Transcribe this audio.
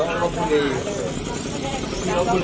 อาวุธแห่งแล้วพอเดินได้ผมว่าเจอบัตรภรรยากุศิษภัณฑ์